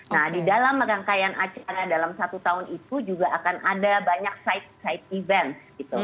nah di dalam rangkaian acara dalam satu tahun itu juga akan ada banyak site side event gitu